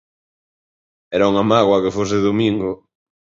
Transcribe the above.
Era unha mágoa que fose domingo…